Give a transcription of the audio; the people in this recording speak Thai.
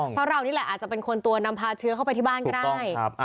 เพราะเรานี่แหละอาจจะเป็นคนตัวนำพาเชื้อเข้าไปที่บ้านก็ได้